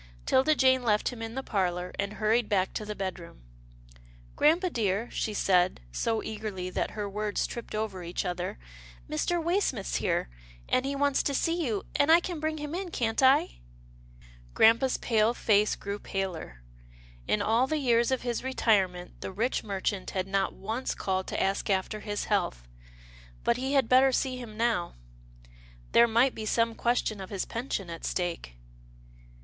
'Tilda Jane left him in the parlour, and hurried back to the bedroom. " Grampa dear," she said, so eagerly that her words tripped over each other, Mr. Waysmith's here, and he wants to see you, and I can bring him in, can't I ?" Grampa's pale face grew paler. In all the years of his retirement the rich merchant had not once called to ask after his health — but he had better see him now. There might be some question of his pension at stake.